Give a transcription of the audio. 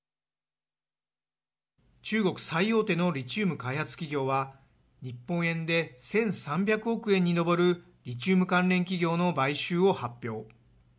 中国最大手のリチウム開発企業は日本円で１３００億円に上るリチウム関連企業の買収を発表。